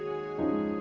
aku akan menjaga dia